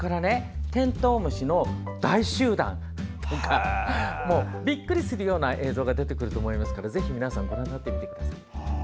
虫の大集団とかびっくりするような映像が出てくると思いますからぜひ、皆さんご覧になってみてください。